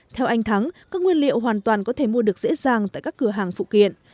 theo anh thắng các nguyên liệu hoàn toàn có thể mua được dễ dàng tại các cửa hàng phụ kiện